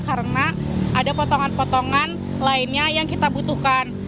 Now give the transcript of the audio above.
karena ada potongan potongan lainnya yang kita butuhkan